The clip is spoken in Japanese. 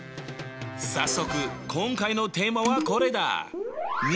早速今回のテーマはこれだ！